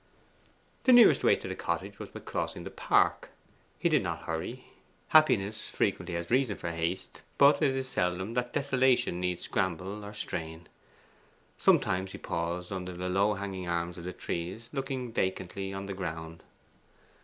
The nearest way to the cottage was by crossing the park. He did not hurry. Happiness frequently has reason for haste, but it is seldom that desolation need scramble or strain. Sometimes he paused under the low hanging arms of the trees, looking vacantly on the ground.